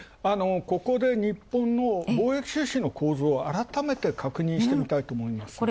ここで日本の貿易収支の構図を改めて確認してみたいと思います。